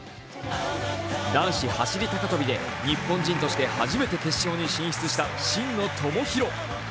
男子走高跳で日本人として初めて決勝に進出した真野友博。